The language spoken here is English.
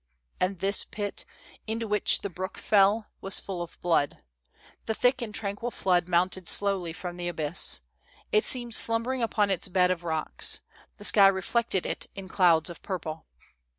"And this pit, into which the brook fell, was full of blood. The thick and tranquil flood mounted slowly from the abyss. It seemed slumbering upon its bed of rocks. The sky reflected it in clouds of purple.